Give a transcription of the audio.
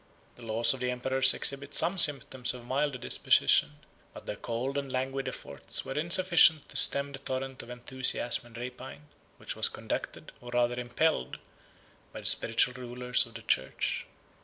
The laws of the emperors exhibit some symptoms of a milder disposition: 29 but their cold and languid efforts were insufficient to stem the torrent of enthusiasm and rapine, which was conducted, or rather impelled, by the spiritual rulers of the church.